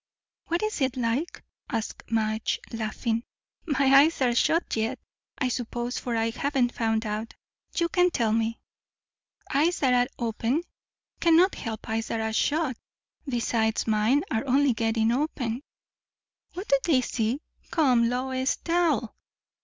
"What is it like?" asked Madge, laughing. "My eyes are shut yet, I suppose, for I haven't found out. You can tell me." "Eyes that are open cannot help eyes that are shut. Besides, mine are only getting open." "What do they see? Come, Lois, tell."